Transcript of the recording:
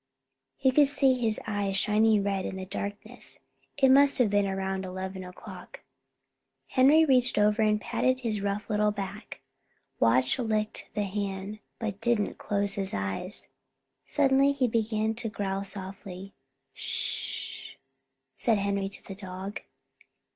He could see his eyes shining red in the darkness. It must have been around eleven o'clock. Henry reached over and patted his rough little back. Watch licked the hand, but didn't close his eyes. Suddenly he began to growl softly. "Sh!" said Henry to the dog.